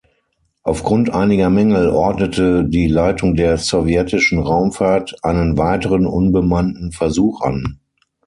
Aufgrund einiger Mängel ordnete die Leitung der sowjetischen Raumfahrt einen weiteren unbemannten Versuch an.